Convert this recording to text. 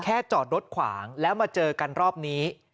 จอดรถขวางแล้วมาเจอกันรอบนี้